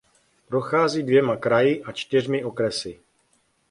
Prochází dvěma kraji a čtyřmi okresy.